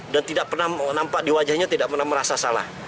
dan tidak pernah nampak di wajahnya tidak pernah merasa salah